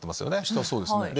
下そうですね。